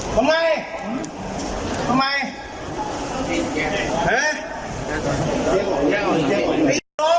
ใครคุยกัน